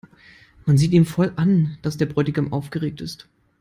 Man sieht ihm voll an, dass der Bräutigam aufgeregt ist.